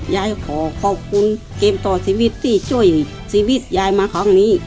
ยายขอขอบคุณเกมต่อชีวิตที่ช่วยชีวิตยายมาครั้งนี้